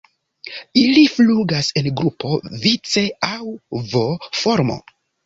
Ili flugas en grupo vice aŭ V-formo.